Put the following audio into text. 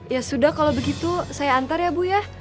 ya sudah kalau begitu saya antar ya bu ya